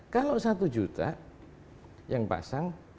kalau satu juta yang pasang